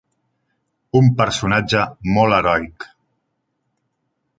Un personatge molt heroic.